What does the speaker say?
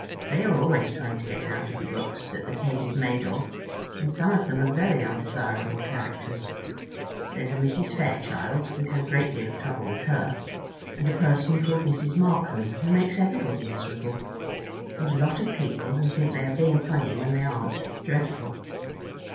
They are always trying to get out of the books that the cave is made of; and some of them are very undesirable characters. There's a Mrs. Fairchild—we've had a great deal of trouble with her, and a person called Mrs. Markham who makes everybody miserable, and a lot of people who think they are being funny when they aren't—dreadful."